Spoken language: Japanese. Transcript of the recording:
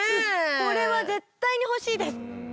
これは絶対に欲しいです。